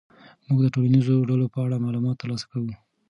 موږ د ټولنیزو ډلو په اړه معلومات ترلاسه کوو.